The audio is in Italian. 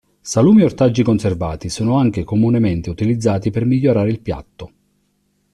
Salumi e ortaggi conservati sono anche comunemente utilizzati per migliorare il piatto.